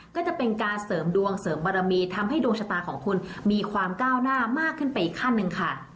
ก็จะเป็นการเสริมดวงเสริมบารมีทำให้ดวงชะตาของคุณมีความก้าวหน้ามากขึ้นไปอีกขั้นหนึ่งค่ะ